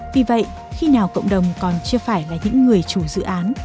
vì vậy khi nào cộng đồng còn chưa phải là những người chủ dự án